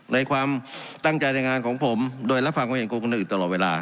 ในความตั้งใจในงานของผมโดยรับฟังความเห็นของคนอื่นตลอดเวลา